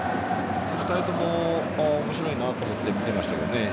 ２人とも面白いなと思って見ていましたけどね。